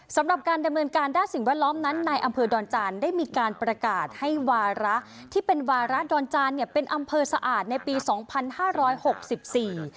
สำหรับการดำเนินการด้านสิ่งแวดล้อมนั้นในอำเภอดอนจานได้มีการประกาศให้วาระที่เป็นวาระดอนจานเนี่ยเป็นอำเภอสะอาดในปีสองพันห้าร้อยหกสิบสี่